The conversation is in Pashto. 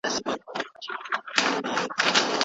ماشومان له زده کړو پاتې دي.